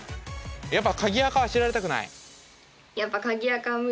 やっぱ鍵アカは知られたくない？